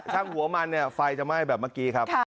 ช่างหัวมันไฟจะไหม้แบบเมื่อกี้